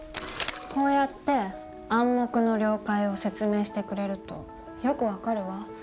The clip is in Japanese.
こうやって「暗黙の了解」を説明してくれるとよく分かるわ。